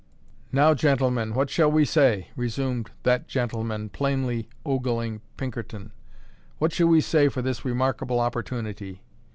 "Now, gentlemen, what shall we say?" resumed that gentleman, plainly ogling Pinkerton, "what shall we say for this remarkable opportunity?"